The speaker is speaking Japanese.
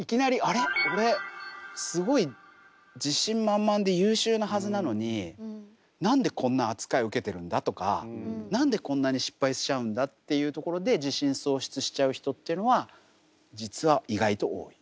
俺すごい自信満々で優秀なはずなのに何でこんな扱い受けてるんだ？とか何でこんなに失敗しちゃうんだ？っていうところで自信喪失しちゃう人っていうのは実は意外と多い。